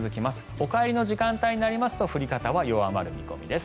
お帰りの時間帯になりますと降り方は弱まる見込みです。